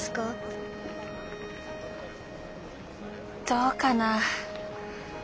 どうかな。